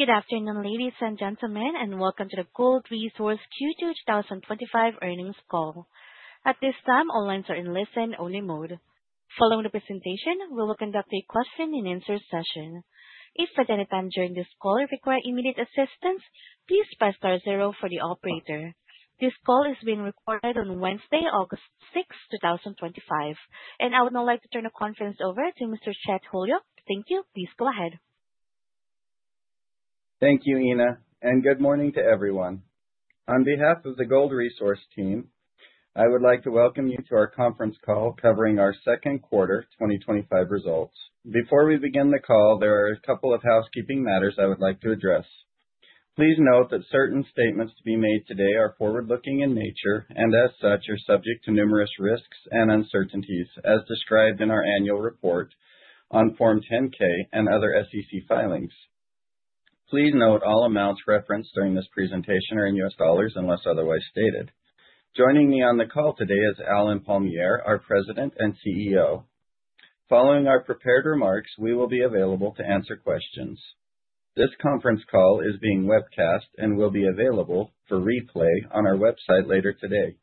Good afternoon, ladies and gentlemen, and welcome to the Gold Resource Q2 2025 Earnings Call. At this time, all lines are in listen-only mode. Following the presentation, we will conduct a question-and-answer session. If at any time during this call you require immediate assistance, please press star zero for the operator. This call is being recorded on Wednesday, August 6, 2025. I would now like to turn the conference over to Mr. Chet Holyoak. Thank you. Please go ahead. Thank you, Ina, and good morning to everyone. On behalf of the Gold Resource team, I would like to welcome you to our conference call covering our second quarter 2025 results. Before we begin the call, there are a couple of housekeeping matters I would like to address. Please note that certain statements to be made today are forward-looking in nature and, as such, are subject to numerous risks and uncertainties, as described in our annual report on Form 10-K and other SEC filings. Please note all amounts referenced during this presentation are in U.S. dollars unless otherwise stated. Joining me on the call today is Allen Palmiere, our President and CEO. Following our prepared remarks, we will be available to answer questions. This conference call is being webcast and will be available for replay on our website later today.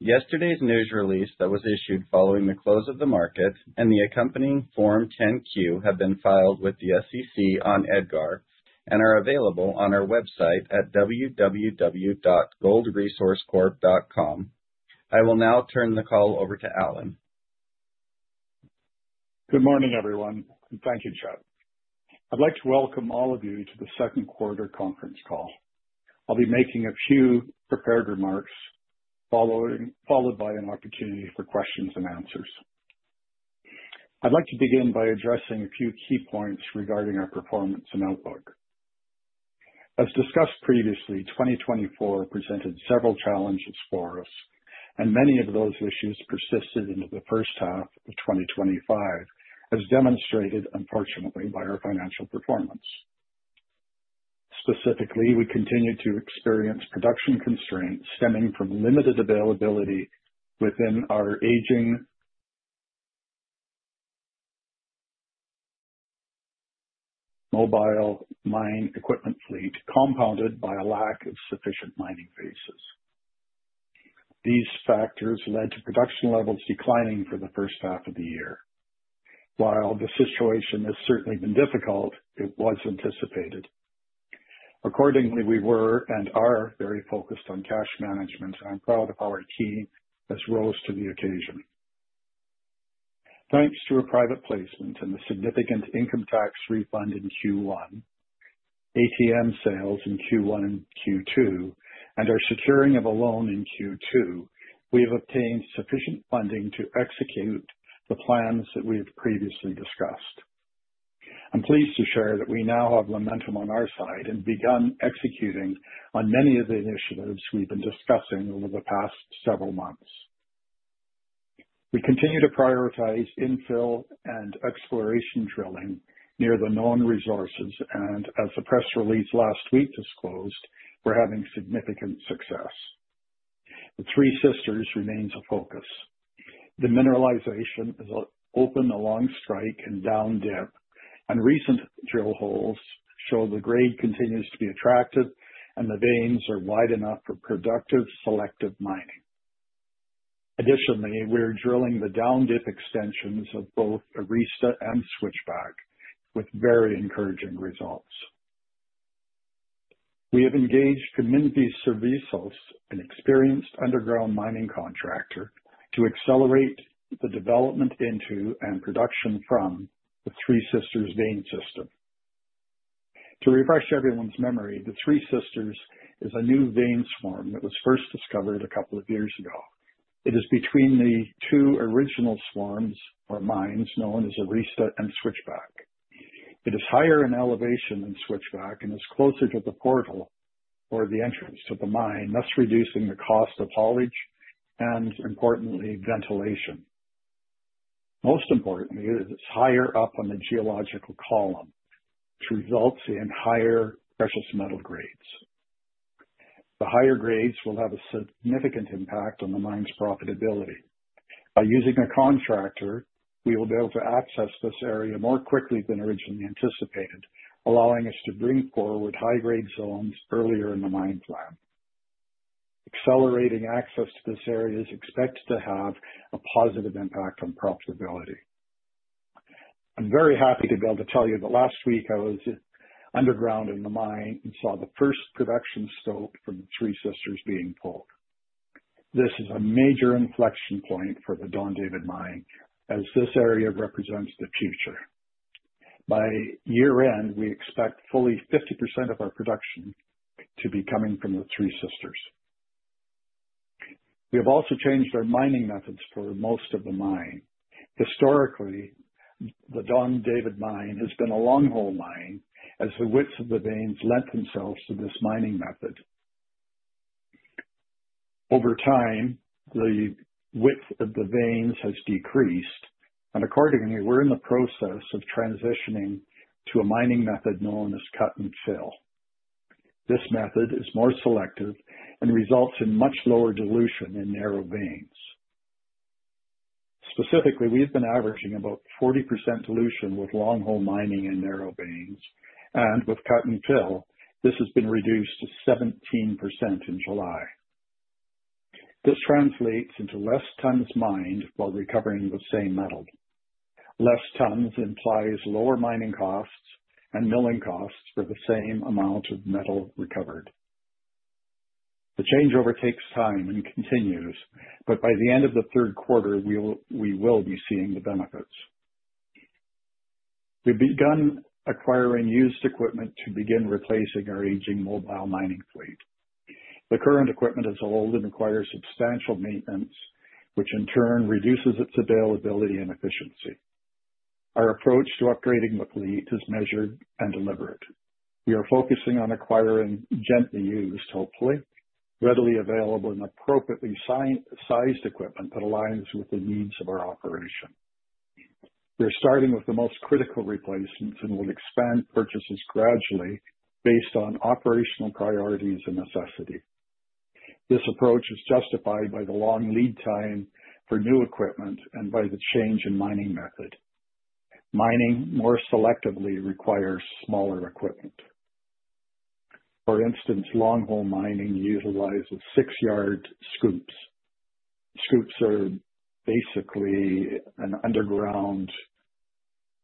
Yesterday's news release that was issued following the close of the market and the accompanying Form 10-Q have been filed with the SEC on EDGAR and are available on our website at www.goldresourcecorp.com. I will now turn the call over to Allen. Good morning, everyone, and thank you, Chet. I'd like to welcome all of you to the second quarter conference call. I'll be making a few prepared remarks, followed by an opportunity for questions and answers. I'd like to begin by addressing a few key points regarding our performance and outlook. As discussed previously, 2024 presented several challenges for us, and many of those issues persisted into the first half of 2025, as demonstrated, unfortunately, by our financial performance. Specifically, we continue to experience production constraints stemming from limited availability within our aging mobile mine equipment fleet, compounded by a lack of sufficient mining bases. These factors led to production levels declining for the first half of the year. While the situation has certainly been difficult, it was anticipated. Accordingly, we were and are very focused on cash management, and I'm proud of our team as it rose to the occasion. Thanks to a private placement and the significant income tax refund in Q1, ATM sales in Q1 and Q2, and our securing of a loan in Q2, we have obtained sufficient funding to execute the plans that we have previously discussed. I'm pleased to share that we now have momentum on our side and have begun executing on many of the initiatives we've been discussing over the past several months. We continue to prioritize infill and exploration drilling near the known resources, and as the press release last week disclosed, we're having significant success. The Three Sisters remains a focus. The mineralization has opened along strike and down dip, and recent drill holes show the grade continues to be attractive, and the veins are wide enough for productive selective mining. Additionally, we're drilling the down dip extensions of both Arista and Switchback with very encouraging results. We have engaged CoMinVi Servicios, an experienced underground mining contractor, to accelerate the development into and production from the Three Sisters vein system. To refresh everyone's memory, the Three Sisters is a new vein swarm that was first discovered a couple of years ago. It is between the two original swarms or mines known as Arista and Switchback. It is higher in elevation than Switchback and is closer to the portal or the entrance to the mine, thus reducing the cost of haulage and, importantly, ventilation. Most importantly, it is higher up on the geological column, which results in higher precious metal grades. The higher grades will have a significant impact on the mine's profitability. By using a contractor, we will be able to access this area more quickly than originally anticipated, allowing us to bring forward high-grade zones earlier in the mine plan. Accelerating access to this area is expected to have a positive impact on profitability. I'm very happy to be able to tell you that last week I was underground in the mine and saw the first production stope from the Three Sisters being pulled. This is a major inflection point for the Don David Mine, as this area represents the future. By year-end, we expect fully 50% of our production to be coming from the Three Sisters. We have also changed our mining methods for most of the mine. Historically, the Don David Mine has been a long hole mine, as the widths of the veins lent themselves to this mining method. Over time, the width of the veins has decreased, and accordingly, we're in the process of transitioning to a mining method known as cut-and-fill. This method is more selective and results in much lower dilution in narrow veins. Specifically, we've been averaging about 40% dilution with long hole mining in narrow veins, and with cut-and-fill, this has been reduced to 17% in July. This translates into less tons mined while recovering the same metal. Less tons implies lower mining costs and milling costs for the same amount of metal recovered. The changeover takes time and continues, but by the end of the third quarter, we will be seeing the benefits. We've begun acquiring used equipment to begin replacing our aging mobile mining fleet. The current equipment is old and requires substantial maintenance, which in turn reduces its availability and efficiency. Our approach to upgrading the fleet is measured and deliberate. We are focusing on acquiring gently used, hopefully, readily available, and appropriately sized equipment that aligns with the needs of our operation. We're starting with the most critical replacements and will expand purchases gradually based on operational priorities and necessity. This approach is justified by the long lead time for new equipment and by the change in mining method. Mining more selectively requires smaller equipment. For instance, long hole mining utilizes six-yard scoops. Scoops are basically an underground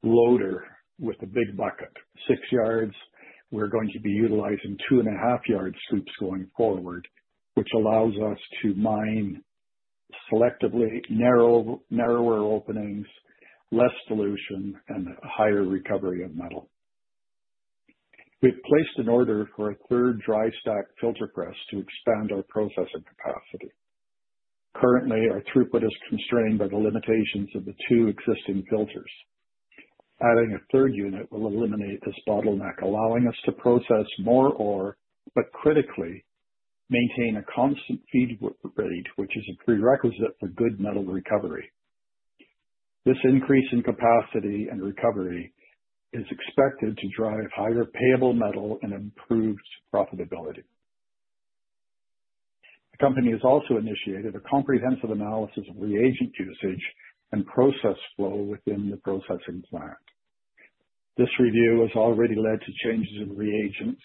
loader with a big bucket. Six yards, we're going to be utilizing two and a half yard scoops going forward, which allows us to mine selectively, narrower openings, less dilution, and a higher recovery of metal. We've placed an order for a third dry stock filter press to expand our processing capacity. Currently, our throughput is constrained by the limitations of the two existing filters. Adding a third unit will eliminate this bottleneck, allowing us to process more ore, but critically maintain a constant feed rate, which is a prerequisite for good metal recovery. This increase in capacity and recovery is expected to drive higher payable metal and improve profitability. The company has also initiated a comprehensive analysis of reagent usage and process flow within the processing plant. This review has already led to changes in reagents,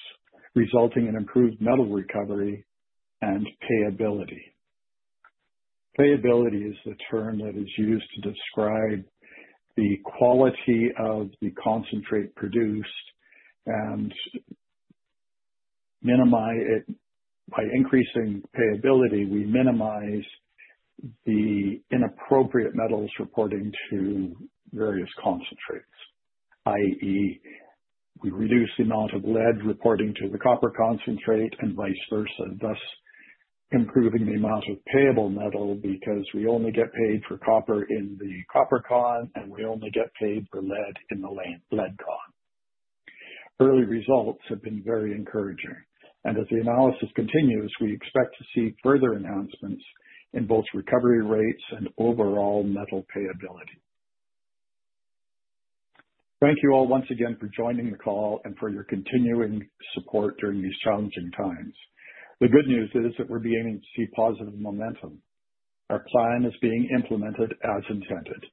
resulting in improved metal recovery and payability. Payability is the term that is used to describe the quality of the concentrate produced, and by increasing payability, we minimize the inappropriate metals reporting to various concentrates. I.e., we reduce the amount of lead reporting to the copper concentrate and vice versa, thus improving the amount of payable metal because we only get paid for copper in the copper con, and we only get paid for lead in the lead con. Early results have been very encouraging, and as the analysis continues, we expect to see further announcements in both recovery rates and overall metal payability. Thank you all once again for joining the call and for your continuing support during these challenging times. The good news is that we're beginning to see positive momentum. Our plan is being implemented as intended.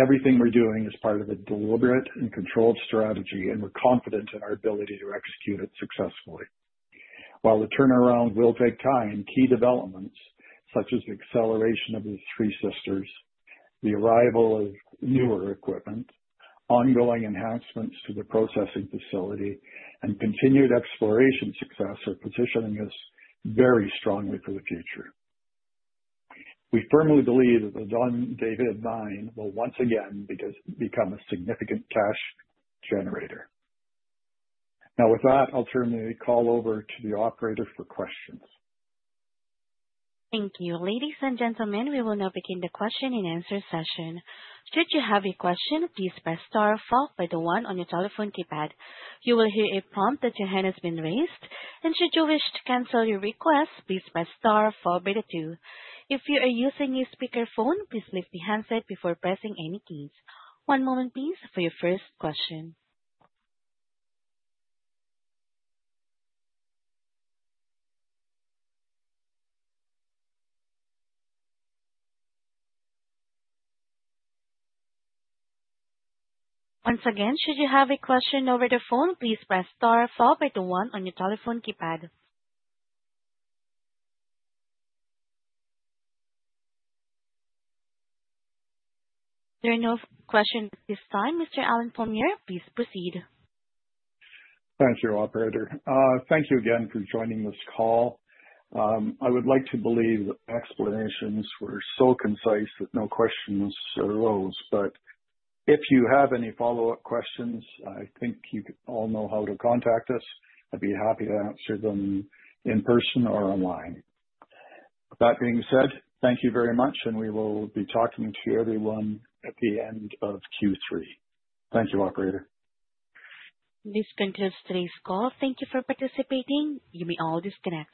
Everything we're doing is part of a deliberate and controlled strategy, and we're confident in our ability to execute it successfully. While the turnaround will take time, key developments such as the acceleration of the Three Sisters, the arrival of newer equipment, ongoing enhancements to the processing facility, and continued exploration success are positioning us very strongly for the future. We firmly believe that the Don David Mine will once again become a significant cash generator. Now, with that, I'll turn the call over to the operator for questions. Thank you. Ladies and gentlemen, we will now begin the question-and-answer session. Should you have a question, please press star followed by the one on your telephone keypad. You will hear a prompt that your hand has been raised, and should you wish to cancel your request, please press star followed by the two. If you are using a speakerphone, please lift your handset before pressing any keys. One moment, please, for your first question. Once again, should you have a question over the phone, please press star followed by the one on your telephone keypad. There are no questions at this time. Mr. Allen Palmiere, please proceed. Thanks, operator. Thank you again for joining this call. I would like to believe that explanations were so concise that no questions arose, but if you have any follow-up questions, I think you all know how to contact us. I'd be happy to answer them in person or online. That being said, thank you very much, and we will be talking to everyone at the end of Q3. Thank you, operator. This concludes today's call. Thank you for participating. You may all disconnect.